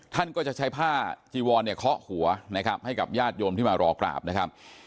ท่านก็จะใช้ผ้าจีวอนเนี่ยเคาะหัวนะครับให้กับญาติโยมที่มารอกราบนะครับ